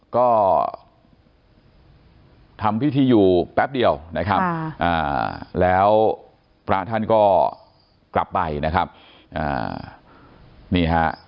ก็ทำพิธีอยู่แป๊บเดียวแล้วพระท่านก็กลับไป